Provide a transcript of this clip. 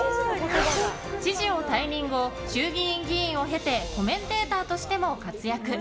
知事を退任後、衆議院議員を経てコメンテーターとしても活躍。